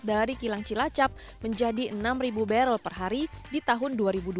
dari kilang cilacap menjadi enam barrel per hari di tahun dua ribu dua puluh